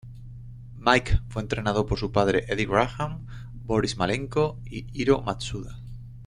Mike fue entrenado por su padre Eddie Graham, Boris Malenko y Hiro Matsuda.